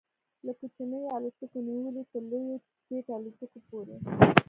له کوچنیو الوتکو نیولې تر لویو جيټ الوتکو پورې